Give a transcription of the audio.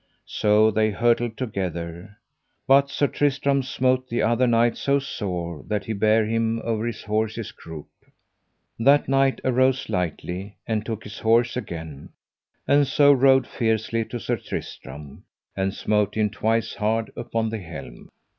So they hurtled together, but Sir Tristram smote the other knight so sore that he bare him over his horse's croup. That knight arose lightly and took his horse again, and so rode fiercely to Sir Tristram, and smote him twice hard upon the helm.